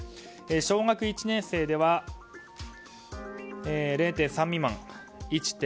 小学１年生では０．３未満が１．０％。